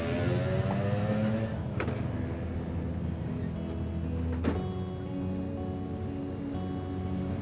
ya tata ini capitalnya big learn dan ha